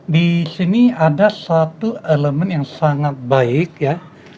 di sini ada satu elemen yang sangat baik ya